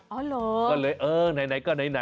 เหรอก็เลยเออไหนก็ไหน